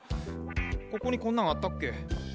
ここにこんなんあったっけ？